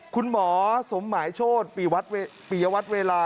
คุณหมอสมหมายโชธปียวัตรเวลา